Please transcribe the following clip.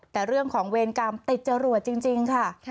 แต่เรื่องของเวรกรรมติดจรวดจริงค่ะ